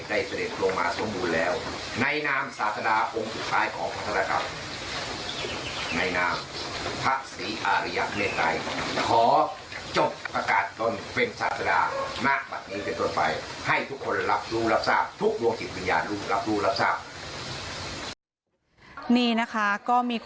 ได้เสด็จลงมาสมบูรณ์แล้วในหนามสาธารณ์องค์ทุกข้ายของพัฒนากรรม